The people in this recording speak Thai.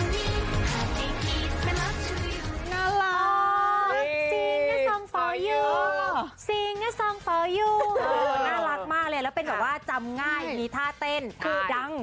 น่ารักมากเลยแล้วเป็นแบบว่าจำง่ายมีท่าเต้นดัง